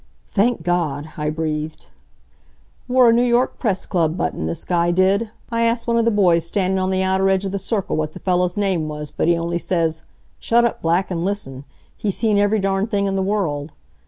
"Thank God!" I breathed. "Wore a New York Press Club button, this guy did. I asked one of the boys standin' on the outer edge of the circle what the fellow's name was, but he only says: 'Shut up Black! An' listen. He's seen every darn thing in the world.'